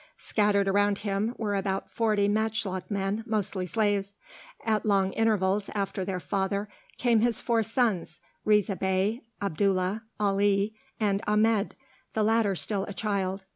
Scattered around him were about forty matchlock men, mostly slaves. At long intervals, after their father, came his four sons, Riza Bey, Abdullah, Ali, and Ahmed, the latter still a child.